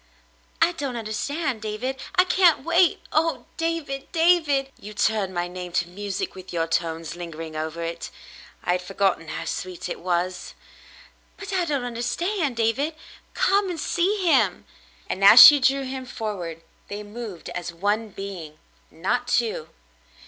"I don't understand, David. I can't wait. Oh! David — David!" "You turn my name to music with your tones lingering over it. I had forgotten how sweet it was." "But I don't understand, David. Come and see him." And as she drew him forward, they moved as one being, not two.